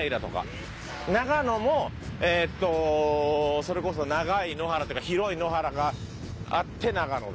長野もえっとそれこそ長い野原っていうか広い野原があって長野だよね。